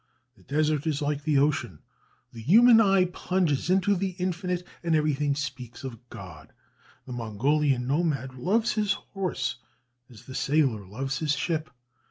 The desert is like the ocean: the human eye plunges into the infinite, and everything speaks of God. The Mongolian nomad loves his horse as the sailor loves his ship.